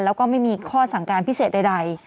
แล้วก็ไม่มีข้อสั่งการพิเศษใด